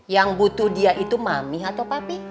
yang butuh dia itu mami atau papi